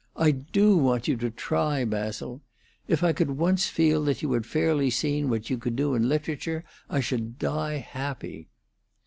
I do want you to try, Basil. If I could once feel that you had fairly seen what you could do in literature, I should die happy."